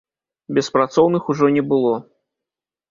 Беспрацоўных ужо не было.